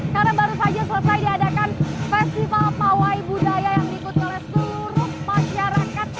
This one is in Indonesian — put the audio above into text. karena baru saja selesai diadakan festival pawai budaya yang diikut oleh seluruh masyarakat